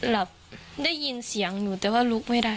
หลับได้ยินเสียงหนูแต่ว่าลุกไม่ได้